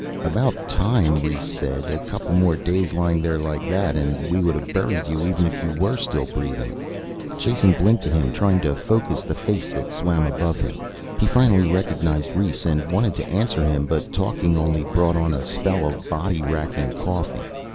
"About time," Rhes said. "A couple more days lying there like that and we would have buried you, even if you were still breathing." Jason blinked at him, trying to focus the face that swam above him. He finally recognized Rhes, and wanted to answer him. But talking only brought on a spell of body wracking coughing.